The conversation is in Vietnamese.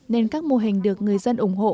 nên các mô hình được người dân ủng hộ